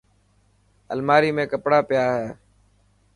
الماري ۾ ڪپڙا پيا هي.